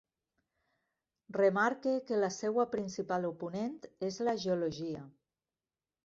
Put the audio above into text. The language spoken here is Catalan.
Remarque que la seua principal oponent és la geologia.